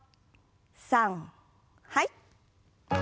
さんはい。